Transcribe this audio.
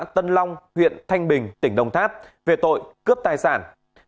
trong huyện thanh bình tỉnh đồng tháp về tội cướp tài sản